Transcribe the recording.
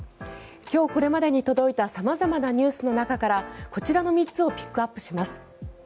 今日これまでに届いた様々なニュースの中からこちらの３つをピックアップします。